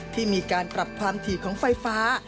ที่มีการปรับความถี่ของไฟฟ้า